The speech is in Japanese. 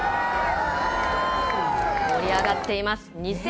盛り上がっています。